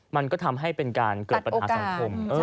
มันก็ทำให้เป็นการเกิดปัญหาสังคม